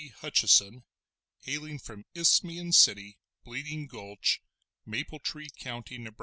Hutcheson, hailing from Isthmian City, Bleeding Gulch, Maple Tree County, Neb.